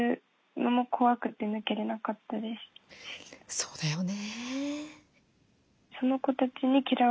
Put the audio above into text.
そうだよね。